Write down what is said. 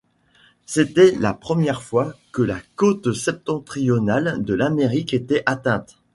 C’était la première fois que la côte septentrionale de l’Amérique était atteinte.